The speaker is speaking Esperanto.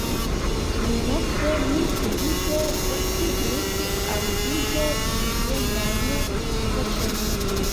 Dumnokte mi subite vekiĝis, aŭdinte indiĝenajn voĉojn.